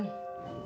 emak ajar duluan